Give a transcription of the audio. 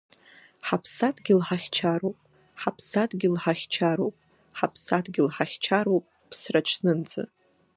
Ҳаԥсадгьыл ҳахьчароуп, ҳаԥсадгьыл ҳахьчароуп, ҳаԥсадгьыл ҳахьчароуп, ԥсраҽнынӡа…